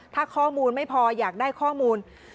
ถ้าข้อมูลไม่พออยากได้ข้อมูล